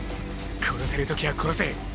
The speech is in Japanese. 殺せる時は殺せ。